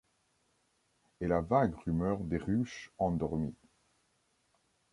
Et la vague rumeur des ruches endormies ;